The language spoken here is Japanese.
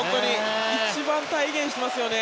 一番体現していますね。